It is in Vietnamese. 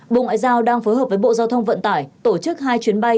bộ ngoại giao đang phối hợp với bộ giao thông vận tải tổ chức hai chuyến bay